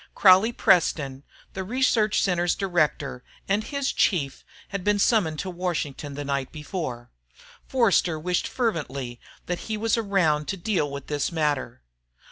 Crawley Preston, the research center's director and his chief, had been summoned to Washington the night before. Forster wished fervently that he was around to deal with this matter.